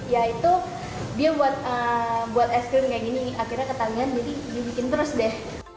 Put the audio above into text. ya itu dia buat es krim kayak gini akhirnya ketagihan jadi dibikin terus deh